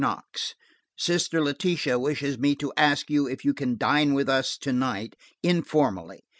KNOX: "Sister Letitia wishes me to ask you if you can dine with us to night, informally.